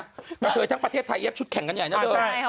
กระเทยทั้งประเทศไทยเย็บชุดแข่งกันใหญ่นะเธอ